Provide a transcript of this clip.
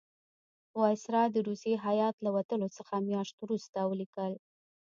وایسرا د روسی هیات له وتلو څه میاشت وروسته ولیکل.